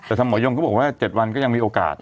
แต่ทางหมอยงเขาบอกว่า๗วันก็ยังมีโอกาส